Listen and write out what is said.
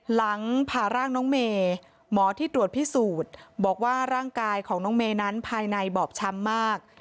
หลังผ่าร่างน้องเมย์หมอที่ตรวจพิสูจน์บอกว่าร่างกายของน้องเมย์นั้นภายในบอบช้ำมาก